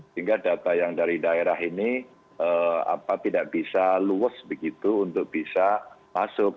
sehingga data yang dari daerah ini tidak bisa luwes begitu untuk bisa masuk